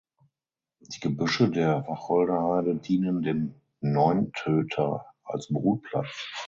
Die Gebüsche der Wacholderheide dienen dem Neuntöter als Brutplatz.